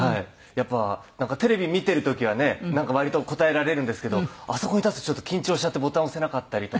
やっぱなんかテレビ見てる時はねなんか割と答えられるんですけどあそこに立つとちょっと緊張しちゃってボタン押せなかったりとかもして。